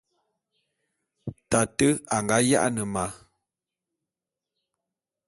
Tate a nga ya'ane ma.